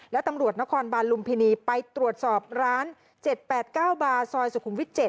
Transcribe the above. และตำรวจนครบานลุมพินีไปตรวจสอบร้าน๗๘๙บาร์ซอยสุขุมวิท๗